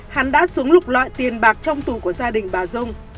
hắn đã súng lục loại tiền bạc trong tù của gia đình bà dung